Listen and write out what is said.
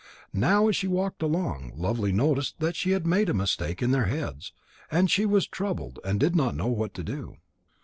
Now as she walked along, Lovely noticed that she had made a mistake in their heads. And she was troubled and did not know what to do.